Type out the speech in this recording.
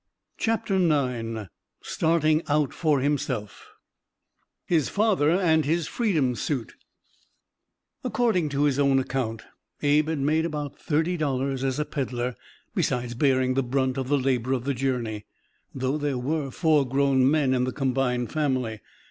CHAPTER IX STARTING OUT FOR HIMSELF HIS FATHER AND HIS "FREEDOM SUIT" According to his own account, Abe had made about thirty dollars as a peddler, besides bearing the brunt of the labor of the journey, though there were four grown men in the combined family.